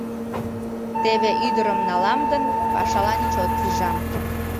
Теве ӱдырым налам гын, пашалан чот пижам...